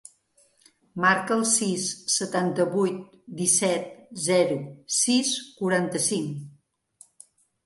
Marca el sis, setanta-vuit, disset, zero, sis, quaranta-cinc.